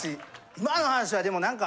今の話はでもなんか。